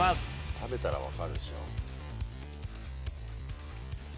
食べたらわかるでしょ。